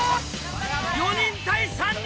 ４人対３人！